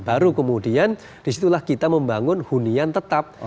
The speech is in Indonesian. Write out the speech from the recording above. baru kemudian disitulah kita membangun hunian tetap